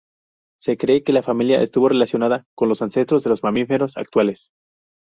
Se cree que la familia estuvo relacionada con los ancestros de los mamíferos actuales.